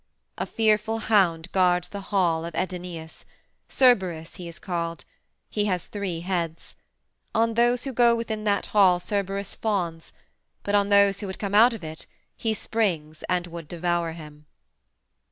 A fearful hound guards the hall of Aidoneus: Cerberus he is called; he has three heads. On those who go within that hall Cerberus fawns, but on those who would come out of it he springs and would devour them.